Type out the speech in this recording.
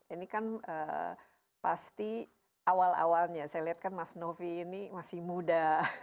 ini kan pasti awal awalnya saya lihat kan mas novi ini masih muda